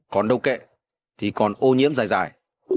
còn đâu kệ thì còn ô nhiễm dài dài